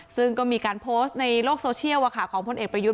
ซึ่งก็มีการโพสต์ในโลกโซเชียลของพลเอกประยุทธ์